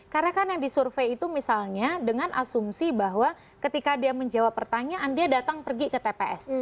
karena kan yang disurvey itu misalnya dengan asumsi bahwa ketika dia menjawab pertanyaan dia datang pergi ke tps